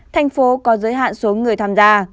thành phố có giới hạn số người tham gia